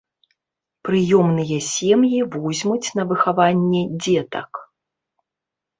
Прыёмныя сем'і возьмуць на выхаванне дзетак.